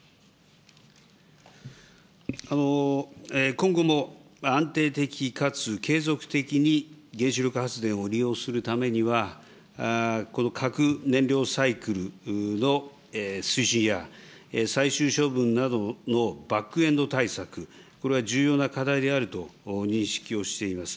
今後も安定的かつ継続的に原子力発電を利用するためには、この核燃料サイクルの推進や、最終処分などのバックエンド対策、これは重要な課題であると認識をしています。